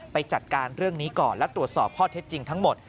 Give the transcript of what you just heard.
จัดการเรื่องนี้ก่อนและตรวจสอบข้อเท็จจริงทั้งหมด